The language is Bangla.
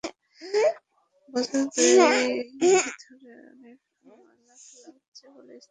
বছর দুই ধরে এখানে ময়লা ফেলা হচ্ছে বলে স্থানীয় চারজন বাসিন্দা জানালেন।